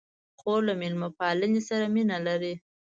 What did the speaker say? خور له میلمه پالنې سره مینه لري.